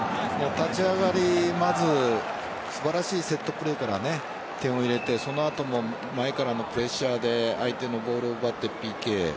立ち上がりまず素晴らしいセットプレーから点を入れてその後も前からのプレッシャーで相手のボールを奪ってＰＫ。